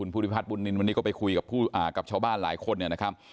ภูริพัฒนบุญนินวันนี้ก็ไปคุยกับชาวบ้านหลายคนเนี่ยนะครับ